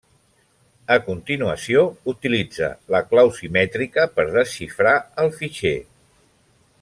A continuació, utilitza la clau simètrica per desxifrar el fitxer.